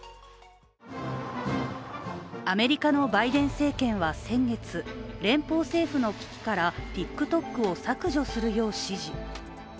アメリカのバイデン政権は先月、連邦政府の機器からＴｉｋＴｏｋを削除するよう指示。